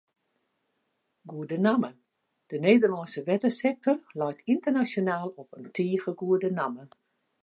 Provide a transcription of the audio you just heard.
De Nederlânske wettersektor leit ynternasjonaal op in tige goede namme.